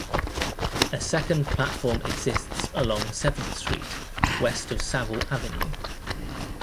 A second platform exists along Seventh Street west of Saville Avenue.